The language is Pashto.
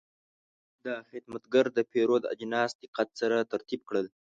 دا خدمتګر د پیرود اجناس دقت سره ترتیب کړل.